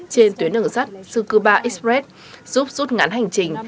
trên tuyến ứng sắt tsukuba express giúp rút ngắn hành trình